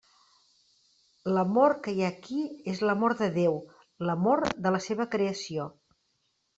L'amor que hi ha aquí és l'amor de Déu, l'amor de la seva creació.